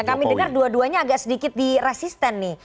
ya kami dengar dua duanya agak sedikit diresisten nih